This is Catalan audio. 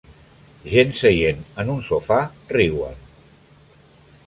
Gent seient en un sofà riuen.